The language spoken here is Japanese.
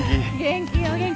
元気よ。